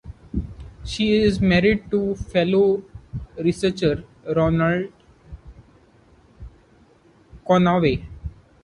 She is married to fellow researcher Ronald Conaway.